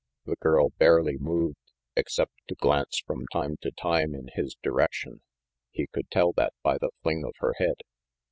The girl barely moved, except to glance from time to time in his direction. He could tell that by the fling of her head.